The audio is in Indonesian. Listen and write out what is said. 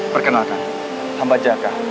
perkenalkan hamba jakah